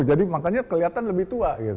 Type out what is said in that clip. jadi makanya kelihatan lebih tua